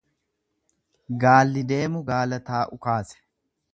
Gaalli deemu gaala taa'u kaase.